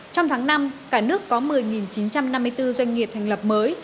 trong tháng năm cả nước có một mươi chín trăm năm mươi bốn doanh nghiệp thành lập mới